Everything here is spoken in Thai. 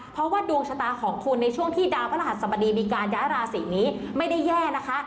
เพราะว่าดวงชะตาของคุณในช่วงที่ดาวพระราชสมดีมีการย้ายราศีนี้ไม่ได้แย่นะคะ